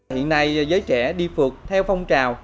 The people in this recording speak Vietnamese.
hiện nay giới trẻ đi phượt theo phong trào